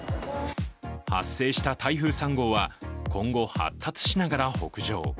発生した台風３号は今後発達しながら北上。